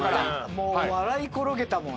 もう笑い転げたもん。